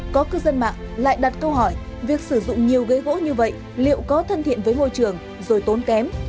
có cư dân mạng lại đặt câu hỏi việc sử dụng nhiều ghế gỗ như vậy liệu có thân thiện với môi trường rồi tốn kém